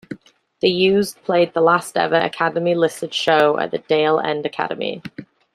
The Used played the last ever Academy listed show at the Dale End Academy.